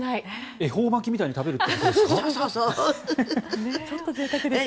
恵方巻きみたいに食べるってことですか？